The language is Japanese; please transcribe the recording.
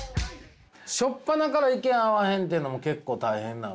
しょっぱなから意見合わへんっていうのも結構大変な。